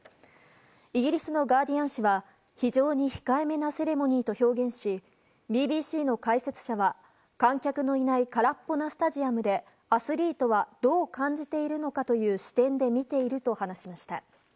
イギリスのガーディアン紙は非常に控えめなセレモニーと表現しＢＢＣの解説者は観客のいない空っぽのスタジアムでアスリートはどう感じているのかという視点で見ていると話しました。